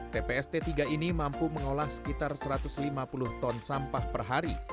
tpst tiga ini mampu mengolah sekitar satu ratus lima puluh ton sampah per hari